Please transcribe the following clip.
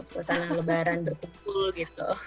suasana lebaran berkumpul gitu